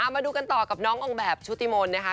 มาดูกันต่อกับน้องออกแบบชุติมนต์นะคะ